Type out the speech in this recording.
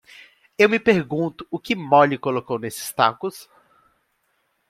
Eu me pergunto o que Molly colocou nesses tacos?